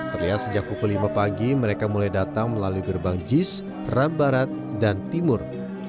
terlihat sejak pukul lima pagi mereka mulai datang melalui gerbang jis ram barat dan timur